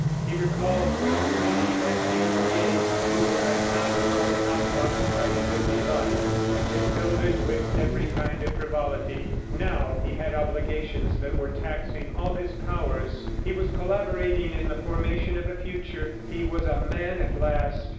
He recalled with pity that Desnoyers who had not known how to occupy his empty life, and had filled it with every kind of frivolity. Now he had obligations that were taxing all his powers; he was collaborating in the formation of a future. He was a man at last!